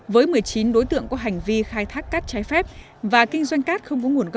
với một mươi chín đối tượng xử phạt ba trăm bốn mươi hai triệu đồng